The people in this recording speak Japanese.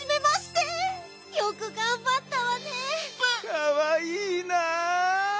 かわいいなあ。